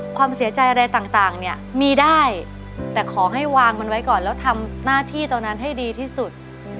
ความเสียใจอะไรต่างเนี่ยมีได้แต่ขอให้วางมันไว้ก่อนแล้วทำหน้าที่ตอนนั้นให้ดีที่สุด